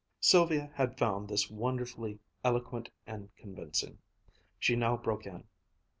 Sylvia had found this wonderfully eloquent and convincing. She now broke in.